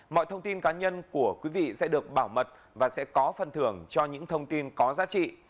mọi thông tin cá nhân của quý vị sẽ được bảo mật và sẽ có phần thưởng cho những thông tin có giá trị